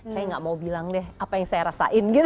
saya nggak mau bilang deh apa yang saya rasain gitu